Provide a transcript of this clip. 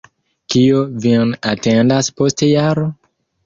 Kio vin atendas post jaro?